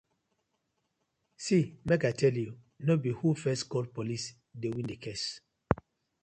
See mek I tell you be who first call Police dey win the case,